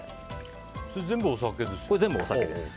全部お酒です。